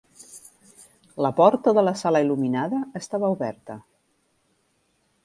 La porta de la sala il·luminada estava oberta.